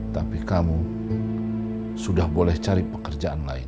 tapi kamu sudah boleh cari pekerjaan lain